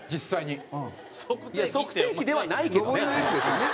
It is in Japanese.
いや測定器ではないけどね。